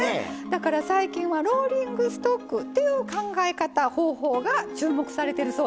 だから最近はローリングストックという考え方方法が注目されてるそうなんです。